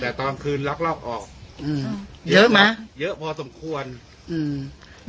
แต่ตอนคืนลักลอบออกอืมเยอะไหมเยอะพอสมควรอืม